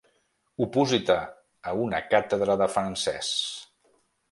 Opositar a una càtedra de francès.